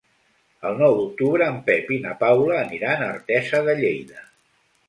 El nou d'octubre en Pep i na Paula aniran a Artesa de Lleida.